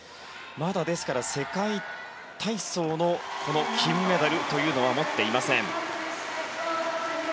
まだ、ですから世界体操の金メダルというのは持っていません。